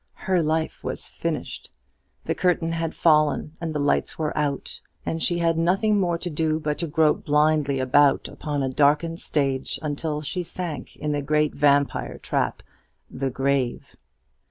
Her life was finished. The curtain had fallen, and the lights were out; and she had nothing more to do but to grope blindly about upon a darkened stage until she sank in the great vampire trap the grave.